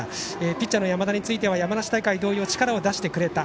ピッチャーの山田については山梨大会同様力を出してくれた。